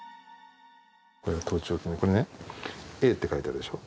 これが盗聴器で、これね、Ａって書いてあるでしょ。